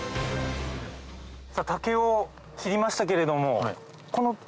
さぁ竹を切りましたけれども。